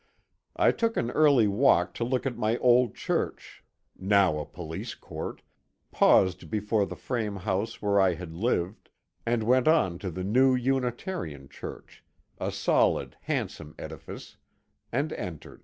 I took an early walk to look at my old church (now a police court), paused before the frame house where I had lived, and went on to the new Unitarian church, a solid, handsome edifice, and entered.